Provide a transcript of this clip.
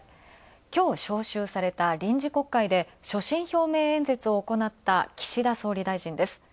きょう召集された臨時国会で、所信表明演説を行った岸田総理大臣です。